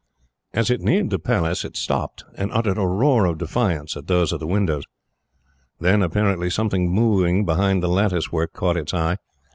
As it neared the Palace, it stopped and uttered a roar of defiance at those at the windows. Then, apparently, something moving behind the lattice work caught its eye.